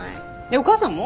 お母さんも？